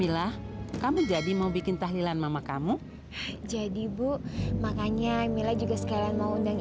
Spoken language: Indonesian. milah kamu jadi mau bikin tahlilan mama kamu jadi bu makanya mila juga sekalian mau undang